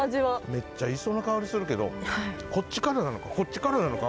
めっちゃ磯の香りするけどこっちからなのかこっちからなのか分からんぐらい。